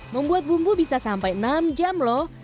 membuat bumbu bisa sampai enam jam lho